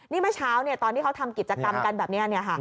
นี่เมื่อเช้าตอนที่เขาทำกิจกรรมกันแบบนี้